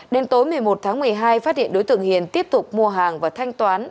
đến tối một mươi một tháng một mươi hai phát hiện đối tượng hiền tiếp tục mua hàng và thanh toán